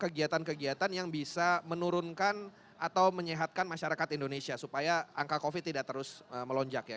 kegiatan kegiatan yang bisa menurunkan atau menyehatkan masyarakat indonesia supaya angka covid tidak terus melonjak ya